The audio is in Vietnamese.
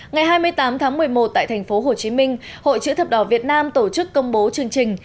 ngày hai mươi tám tháng một mươi một tại thành phố hồ chí minh hội chữ thập đỏ việt nam tổ chức công bố chương trình